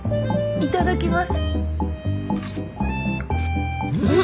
いただきます。